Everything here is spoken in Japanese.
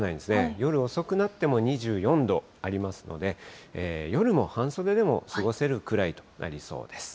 夜遅くなっても２４度ありますので、夜も半袖でも過ごせるくらいとなりそうです。